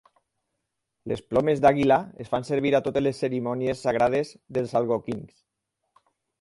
Les plomes d'àguila es fan servir a totes les cerimònies sagrades dels algonquins.